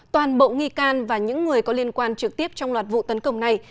toàn bộ nghi can và những người có liên quan trực tiếp trong loạt vụ tấn công này